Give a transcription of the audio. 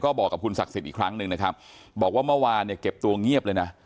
บอกกับคุณศักดิ์สิทธิ์อีกครั้งหนึ่งนะครับบอกว่าเมื่อวานเนี่ยเก็บตัวเงียบเลยนะ